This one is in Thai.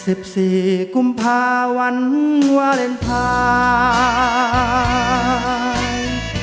สิบสี่กุมภาวันวรรณภาย